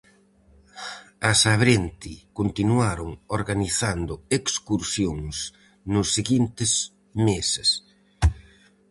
As Abrente continuaron organizando excursións nos seguintes meses.